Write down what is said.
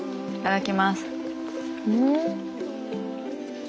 いただきます。